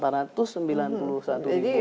delapan ratus sembilan puluh satu ribu gambut